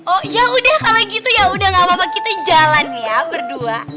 oh yaudah kalau gitu ya udah gak apa apa kita jalan ya berdua